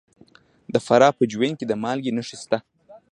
د فراه په جوین کې د مالګې نښې شته.